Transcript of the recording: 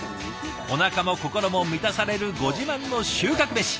おなかも心も満たされるご自慢の収穫メシ